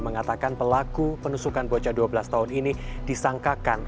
mengatakan pelaku penusukan bocah dua belas tahun ini disangkakan